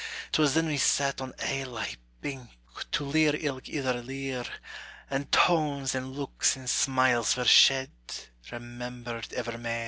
'Twas then we sat on ae laigh bink, To leir ilk ither lear; And tones and looks and smiles were shed, Remembered evermair.